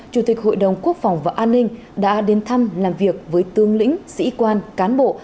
chủ tịch hội đồng quốc phòng và an ninh đã đến thăm làm việc với tương lĩnh sĩ quan cán bộ